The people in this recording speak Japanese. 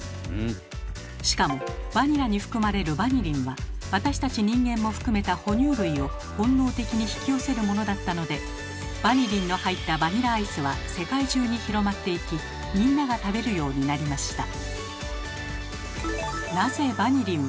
しかもバニラに含まれるバニリンは私たち人間も含めた哺乳類を本能的に引き寄せるものだったのでバニリンの入ったバニラアイスは世界中に広まっていきみんなが食べるようになりました。